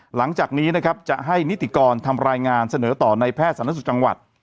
หลังจากนี้จะให้นิติกรทำรายงานเสนอต่อในแพทย์สถานศูนย์สุขจังหวัด